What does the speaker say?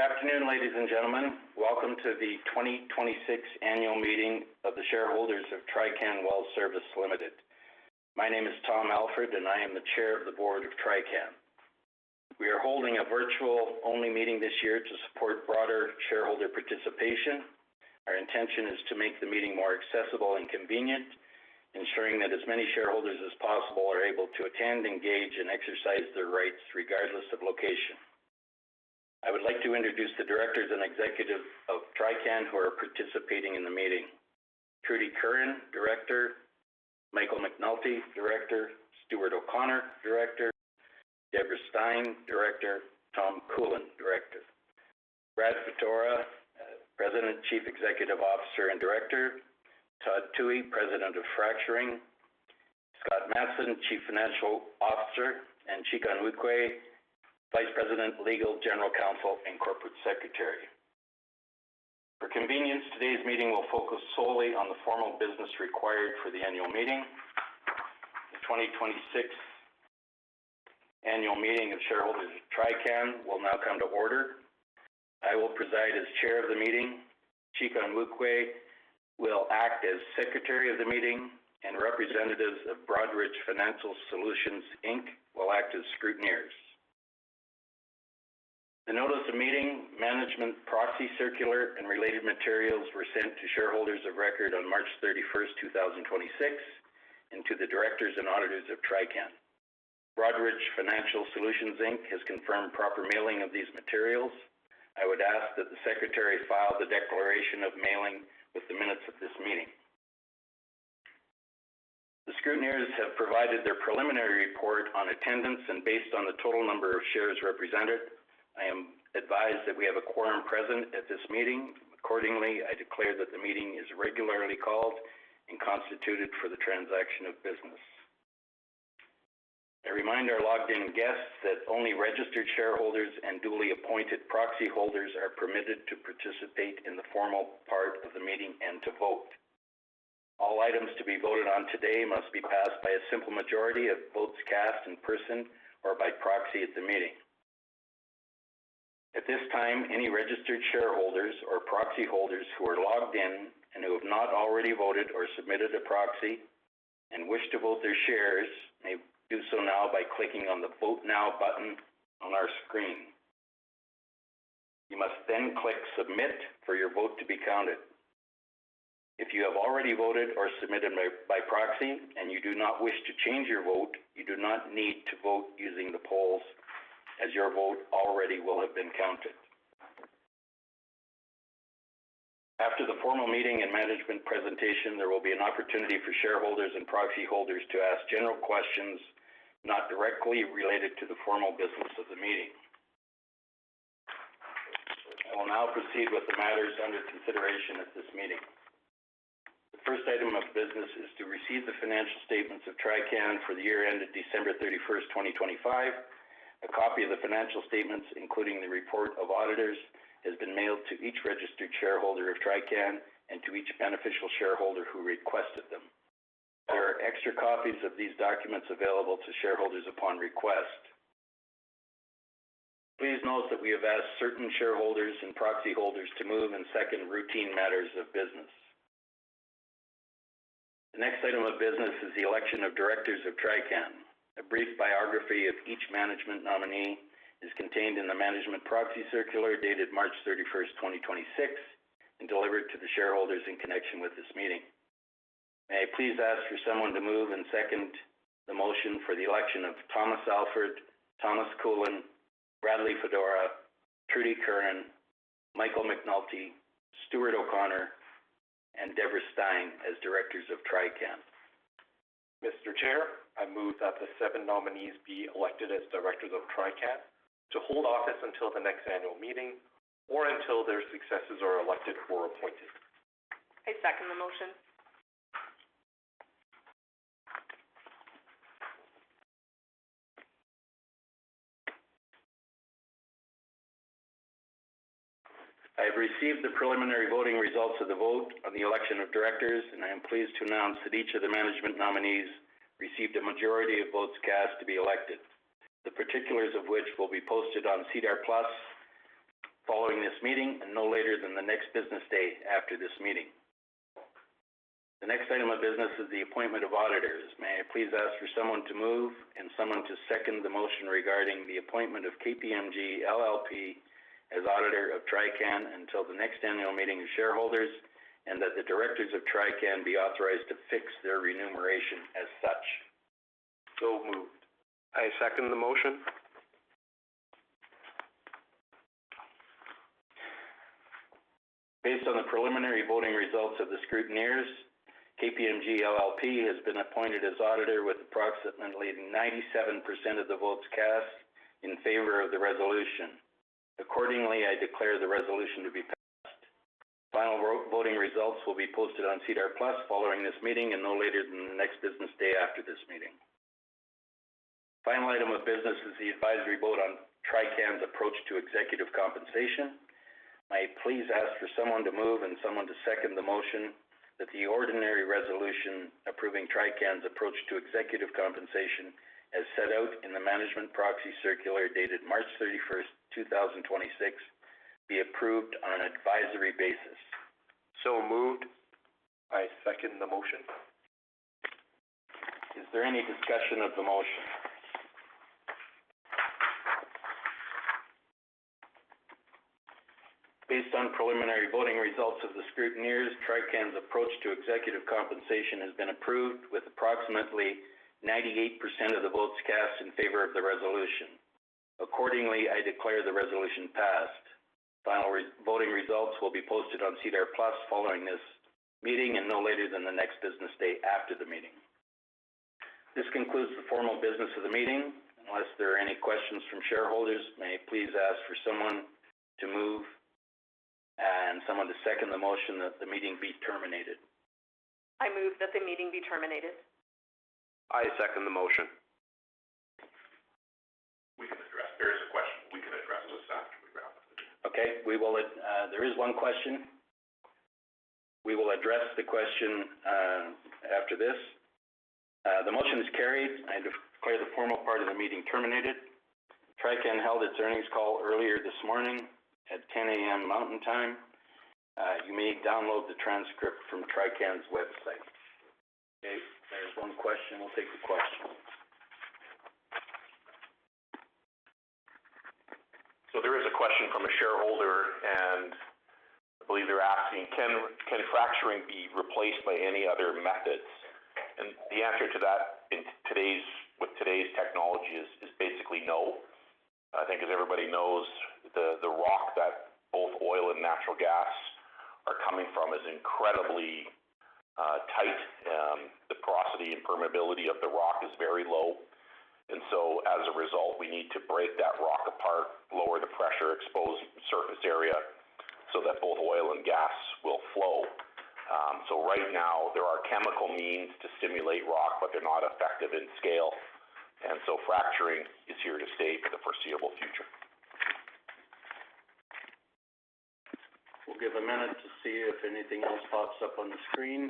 Good afternoon, ladies and gentlemen. Welcome to the 2026 annual meeting of the shareholders of Trican Well Service Ltd. My name is Tom Alford, and I am the Chair of the Board of Trican. We are holding a virtual-only meeting this year to support broader shareholder participation. Our intention is to make the meeting more accessible and convenient, ensuring that as many shareholders as possible are able to attend, engage, and exercise their rights regardless of location. I would like to introduce the Directors and executive of Trican who are participating in the meeting. Trudy Curran, Director. Michael McNulty, Director. Stuart O'Connor, Director. Debra Stein, Director. Tom Coolan, Director. Brad Fedora, President, Chief Executive Officer, and Director. Todd Thue, President, Fracturing. Scott Matson, Chief Financial Officer, and Chika Onwuekwe, Vice President, Legal, General Counsel and Corporate Secretary. For convenience, today's meeting will focus solely on the formal business required for the annual meeting. The 2026 annual meeting of shareholders of Trican will now come to order. I will preside as chair of the meeting. Chika Onwuekwe will act as secretary of the meeting, and representatives of Broadridge Financial Solutions, Inc. will act as scrutineers. The notice of meeting, management proxy circular, and related materials were sent to shareholders of record on March 31, 2026, and to the directors and auditors of Trican. Broadridge Financial Solutions, Inc. has confirmed proper mailing of these materials. I would ask that the secretary file the declaration of mailing with the minutes of this meeting. The scrutineers have provided their preliminary report on attendance, and based on the total number of shares represented, I am advised that we have a quorum present at this meeting. Accordingly, I declare that the meeting is regularly called and constituted for the transaction of business. I remind our logged in guests that only registered shareholders and duly appointed proxy holders are permitted to participate in the formal part of the meeting and to vote. All items to be voted on today must be passed by a simple majority of votes cast in person or by proxy at the meeting. At this time, any registered shareholders or proxy holders who are logged in and who have not already voted or submitted a proxy and wish to vote their shares may do so now by clicking on the Vote Now button on our screen. You must click Submit for your vote to be counted. If you have already voted or submitted by proxy, and you do not wish to change your vote, you do not need to vote using the polls, as your vote already will have been counted. After the formal meeting and management presentation, there will be an opportunity for shareholders and proxy holders to ask general questions not directly related to the formal business of the meeting. I will now proceed with the matters under consideration at this meeting. The first item of business is to receive the financial statements of Trican for the year ended December 31st, 2025. A copy of the financial statements, including the report of auditors, has been mailed to each registered shareholder of Trican and to each beneficial shareholder who requested them. There are extra copies of these documents available to shareholders upon request. Please note that we have asked certain shareholders and proxy holders to move and second routine matters of business. The next item of business is the election of directors of Trican. A brief biography of each management nominee is contained in the management proxy circular dated March 31st, 2026, and delivered to the shareholders in connection with this meeting. May I please ask for someone to move and second the motion for the election of Thomas Alford, Thomas Coolen, Bradley Fedora, Trudy Curran, Michael McNulty, Stuart O'Connor, and Deborah S. Stein as directors of Trican. Mr. Chair, I move that the seven nominees be elected as directors of Trican to hold office until the next annual meeting or until their successors are elected or appointed. I second the motion. I have received the preliminary voting results of the vote on the election of directors, and I am pleased to announce that each of the management nominees received a majority of votes cast to be elected, the particulars of which will be posted on SEDAR+ following this meeting and no later than the next business day after this meeting. The next item of business is the appointment of auditors. May I please ask for someone to move and someone to second the motion regarding the appointment of KPMG LLP as auditor of Trican until the next annual meeting of shareholders, and that the directors of Trican be authorized to fix their remuneration as such. So moved. I second the motion. Based on the preliminary voting results of the scrutineers, KPMG LLP has been appointed as auditor with approximately 97% of the votes cast in favor of the resolution. Accordingly, I declare the resolution to be passed. Final voting results will be posted on SEDAR+ following this meeting and no later than the next business day after this meeting. Final item of business is the advisory vote on Trican's approach to executive compensation. I please ask for someone to move and someone to second the motion that the ordinary resolution approving Trican's approach to executive compensation, as set out in the management proxy circular dated March 31, 2026, be approved on an advisory basis. Moved. I second the motion. Is there any discussion of the motion? Based on preliminary voting results of the scrutineers, Trican's approach to executive compensation has been approved with approximately 98% of the votes cast in favor of the resolution. Accordingly, I declare the resolution passed. Final voting results will be posted on SEDAR+ following this meeting and no later than the next business day after the meeting. This concludes the formal business of the meeting. Unless there are any questions from shareholders, may I please ask for someone to move and someone to second the motion that the meeting be terminated. I move that the meeting be terminated. I second the motion. There is a question we can address this after we wrap up the meeting. Okay, we will, there is 1 question. We will address the question after this. The motion is carried. I declare the formal part of the meeting terminated. Trican held its earnings call earlier this morning at 10:00 A.M. Mountain Time. You may download the transcript from Trican's website. Okay, there's 1 question. We'll take the question. There is a question from a shareholder, and I believe they're asking, "Can fracturing be replaced by any other methods?" The answer to that with today's technology is basically no. I think as everybody knows, the rock that both oil and natural gas are coming from is incredibly tight. The porosity and permeability of the rock is very low. As a result, we need to break that rock apart, lower the pressure, expose surface area so that both oil and gas will flow. Right now there are chemical means to stimulate rock, but they're not effective in scale. Fracturing is here to stay for the foreseeable future. We'll give a minute to see if anything else pops up on the screen.